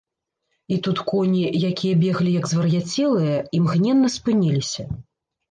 І тут коні, якія беглі, як звар'яцелыя, імгненна спыніліся.